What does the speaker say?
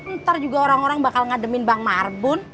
ntar juga orang orang bakal ngademin bank marbun